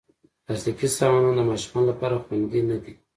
پلاستيکي سامانونه د ماشومانو لپاره خوندې نه دي.